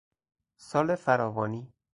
سال فراوانی...